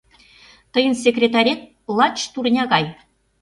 Тыйын секретарет лач турня гай».